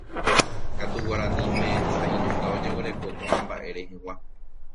katu guaraníme sa'inunga ojeguereko ko'ã mba'e rehegua